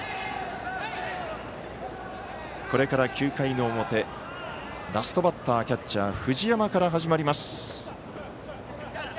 これから９回の表ラストバッター、キャッチャー藤山から始まります。